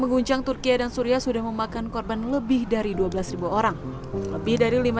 mengguncang turkiye dan suria sudah memakan korban lebih dari dua belas orang lebih dari lima